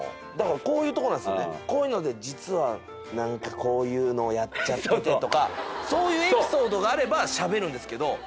だからこういうとこなんですよねこういうので「実はこういうのをやっちゃって」とかそういうエピソードがあればしゃべるんですけど。